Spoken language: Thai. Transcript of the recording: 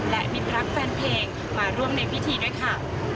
และมิตรรักแฟนเพลงมาร่วมในพิธีด้วยค่ะ